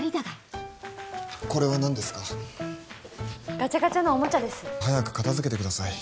ガチャガチャのオモチャです早く片付けてください